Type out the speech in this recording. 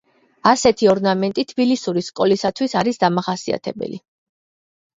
ასეთი ორნამენტი თბილისური სკოლისათვის არის დამახასიათებელი.